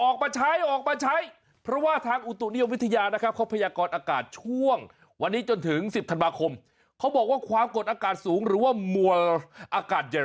ออกมาใช้ออกมาใช้เพราะว่าทางอุตุนิยมวิทยานะครับเขาพยากรอากาศช่วงวันนี้จนถึง๑๐ธันวาคมเขาบอกว่าความกดอากาศสูงหรือว่ามัวอากาศเย็น